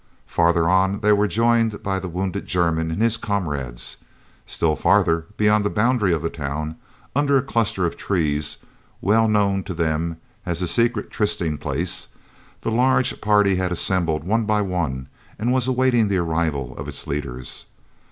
Farther on they were joined by the wounded German and his comrades; still farther, beyond the boundary of the town, under a cluster of trees, well known to them as a secret trysting place, the large party had assembled one by one and was awaiting the arrival of its leaders.